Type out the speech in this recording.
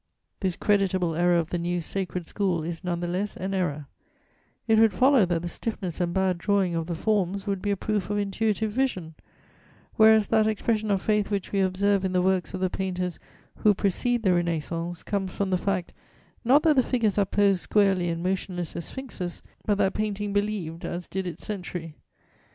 _ This creditable error of the new sacred school is none the less an error; it would follow that the stiffness and bad drawing of the forms would be a proof of intuitive vision, whereas that expression of faith which we observe in the works of the painters who precede the Renascence comes from the fact, not that the figures are posed squarely and motionless as sphinxes but that painting believed as did its century.